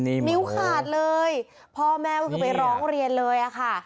นิ้วขาดเลยพ่อแม่ก็คือไปร้องเรียนเลยอะค่ะ